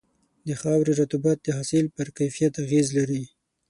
د خاورې رطوبت د حاصل پر کیفیت اغېز لري.